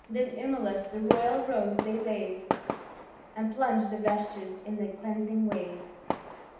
Then emulous the royal robes they Iwne, And plunge the vestures in the deanshig ware.